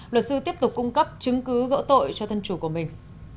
luật sư tiếp tục cung cấp chứng cứ gỡ tội cho thân chủ của mình